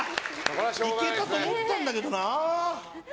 いけたと思ったんだけどな。